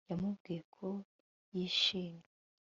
Yamubwiye ko yishimye